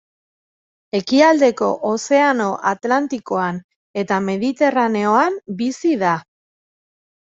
Ekialdeko Ozeano Atlantikoan eta Mediterraneoan bizi da.